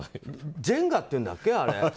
ジェンガって言うんだっけ。